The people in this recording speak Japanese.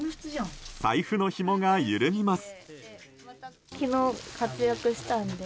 財布のひもが緩みます。